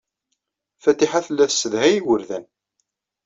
Fatiḥa tella yessedhay igerdan.